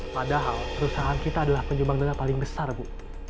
padahal perusahaan kita adalah penyumbang dana paling besar bu